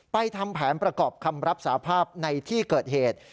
ทำแผนประกอบคำรับสาภาพในที่เกิดเหตุ